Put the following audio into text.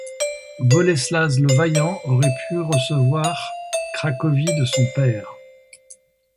Boleslas le Vaillant aurait pu recevoir Cracovie de son père.